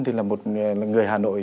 thì là một người hà nội